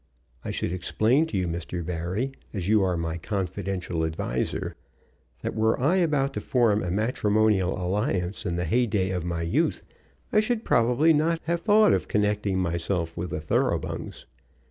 I should explain to you, Mr. Barry, as you are my confidential adviser, that were I about to form a matrimonial alliance in the heyday of my youth, I should probably not have thought of connecting myself with the Thoroughbungs.